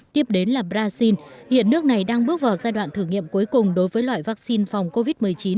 tiếp đến là brazil hiện nước này đang bước vào giai đoạn thử nghiệm cuối cùng đối với loại vaccine phòng covid một mươi chín